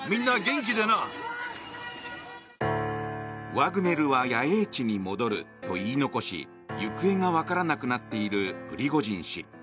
ワグネルは野営地に戻ると言い残し行方がわからなくなっているプリゴジン氏。